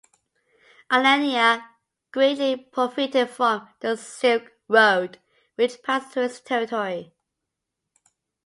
Alania greatly profited from the Silk Road which passed through its territory.